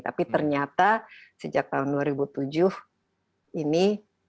tapi ternyata sejak tahun dua ribu tujuh ini